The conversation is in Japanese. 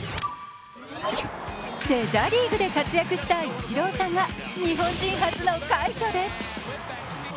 メジャーリーグで活躍したイチローさんが日本人初の快挙です。